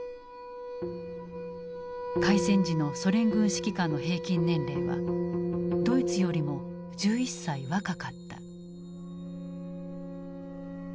開戦時のソ連軍指揮官の平均年齢はドイツよりも１１歳若かった。